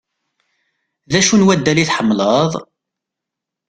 D acu n waddal i tḥemmleḍ?